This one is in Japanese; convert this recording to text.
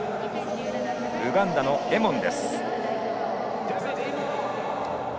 ウガンダのエモン。